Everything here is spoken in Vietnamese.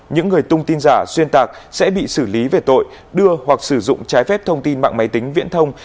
những người tung tin giả xuyên tạc sẽ bị xử lý về tội đưa hoặc sử dụng trái phép thông tin mạng máy tính viễn thông